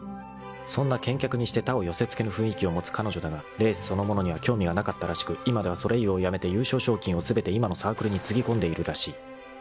［そんな健脚にして他を寄せ付けぬ雰囲気を持つ彼女だがレースそのものには興味がなかったらしく今ではソレイユを辞めて優勝賞金を全て今のサークルにつぎ込んでいるらしい］